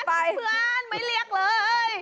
หันไปเพื่อนไม่เรียกเลย